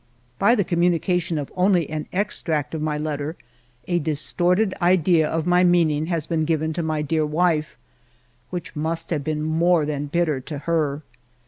By the communication of only an extract of my letter, a distorted idea of my mean ing has been given to my dear wife, which must have been more than bitter to her.